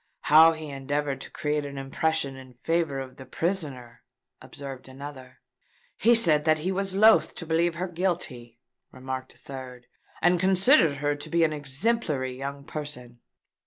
"How he endeavoured to create an impression in favour of the prisoner," observed another. "He said that he was loath to believe her guilty," remarked a third, "and considered her to be an exemplary young person."